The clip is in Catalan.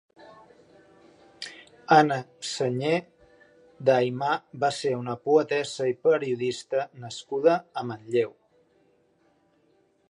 Anna Senyé d'Aymà va ser una poetessa i periodista nascuda a Manlleu.